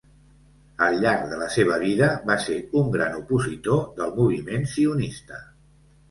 Al llarg de la seva vida va ser un gran opositor del moviment sionista.